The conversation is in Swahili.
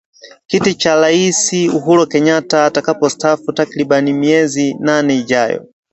kiti cha rais Uhuru Kenyatta atakapostaafu takriban miezi nane ijayo